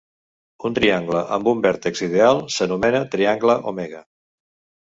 Un triangle amb un vèrtex ideal s'anomena Triangle omega.